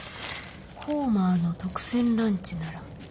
ホーマーの特選ランチなら。